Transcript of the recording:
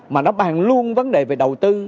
mà nó bàn luôn vấn đề về đầu tư